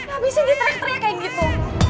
abisnya diteriak teriak kayak gitu